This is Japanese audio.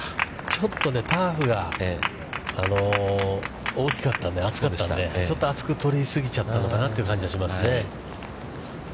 ちょっとターフが大きかったんで、厚かったんで、ちょっと厚く取り過ぎちゃったのかなという感じがしますね。